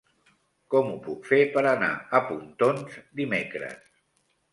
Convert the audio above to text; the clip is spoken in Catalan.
Com ho puc fer per anar a Pontons dimecres?